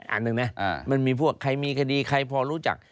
อันหนึ่งนะมันมีพวกใครมีคดีใครพอรู้จัก